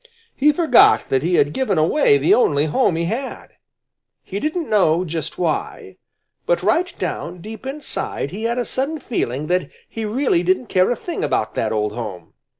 He forgot that he had given away the only home he had. He didn't know just why, but right down deep inside he had a sudden feeling that he really didn't care a thing about that old home.